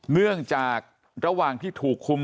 เนื่องจากระหว่างที่ถูกคุม